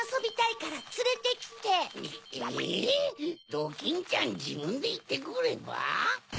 ドキンちゃんじぶんでいってくれば？